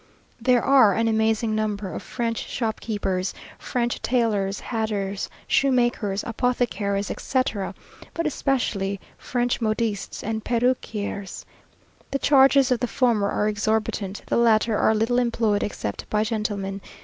There are an amazing number of French shopkeepers; French tailors, hatters, shoemakers, apothecaries, etc.; but especially French modistes and perruquiers. The charges of the former are exorbitant, the latter are little employed except by gentlemen.